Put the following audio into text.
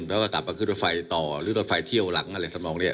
แล้วก็ตามมาขึ้นรถไฟต่อหรือรถไฟเที่ยวหลังอะไรสำหรับอย่างเนี้ย